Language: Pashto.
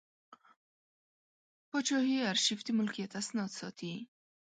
پاچاهي ارشیف د ملکیت اسناد ساتي.